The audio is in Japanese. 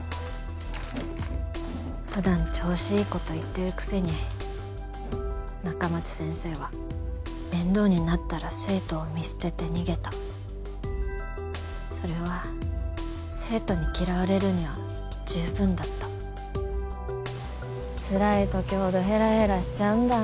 普段調子いいこと言ってるくせに仲町先生は面倒になったら生徒を見捨てて逃げたそれは生徒に嫌われるには十分だったつらい時ほどヘラヘラしちゃうんだ